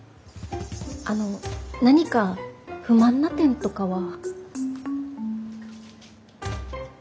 あの何か不満な点とかは。